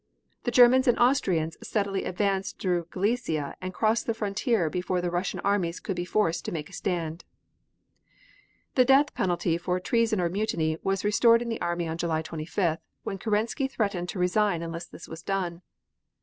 The Germans and Austrians steadily advanced through Galicia and crossed the frontier before the Russian armies could be forced to make a stand. The death penalty for treason or mutiny was restored in the army on July 25th, when Kerensky threatened to resign unless this was done.